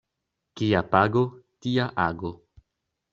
Kia pago, tia ago.